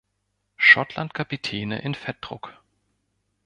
Schottland-Kapitäne in Fettdruck.